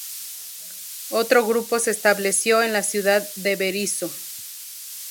Otro grupo se estableció en la ciudad de Berisso.